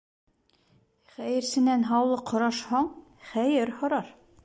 Хәйерсенән һаулыҡ һорашһаң, хәйер һорар.